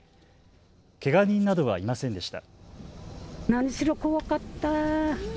けが人などはいませんでした。